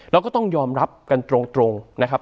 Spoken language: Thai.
เราก็ต้องยอมรับกันตรงนะครับ